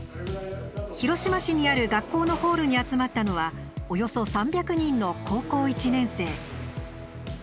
広島市にある学校のホールに集まったのはおよそ３００人の高校１年生。